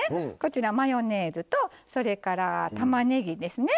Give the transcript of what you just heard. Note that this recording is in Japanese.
マヨネーズとたまねぎですね。